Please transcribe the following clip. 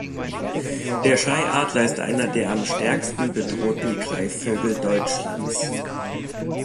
Der Schreiadler ist einer der am stärksten bedrohten Greifvögel Deutschlands.